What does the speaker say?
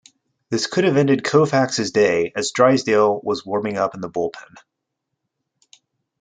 This could have ended Koufax's day as Drysdale was warming up in the bullpen.